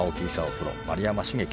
プロ、丸山茂樹